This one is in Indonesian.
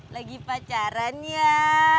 lagi pacaran ya